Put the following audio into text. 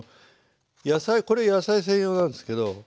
野菜これ野菜専用なんですけど。